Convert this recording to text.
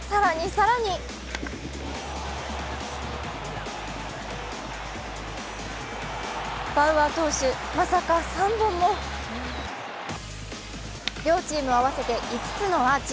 更にバウアー投手、まさか３本も両チーム合わせて５つのアーチ。